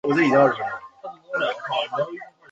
赠太子少保。